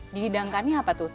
dihidangkannya apa tuh